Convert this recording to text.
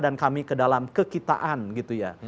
dan kami ke dalam kekitaan gitu ya